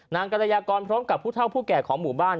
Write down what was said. กรยากรพร้อมกับผู้เท่าผู้แก่ของหมู่บ้าน